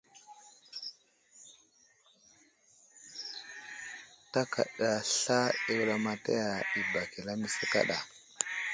Ta kaɗa sla i wulamataya i bak i lamise kaɗa.